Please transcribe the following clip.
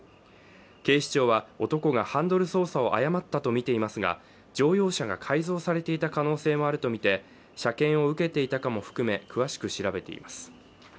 警視庁は、男がハンドル操作を誤ったとみていますが、乗用車が改造されていた可能性もあるとみて、車検を受けていたかも含め詳しく調べています